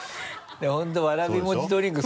本当わらび餅ドリンク